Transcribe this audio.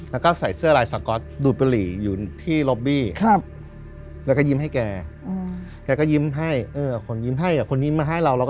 แล้วก็ใส่เสื้อลายสก็อตดูปรีอยู่ที่รอบบี้แล้วก็ยิ้มให้แก